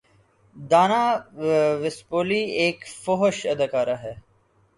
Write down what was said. دانا وسپولی ایک فحش اداکارہ ہے